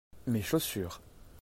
Mes chaussures.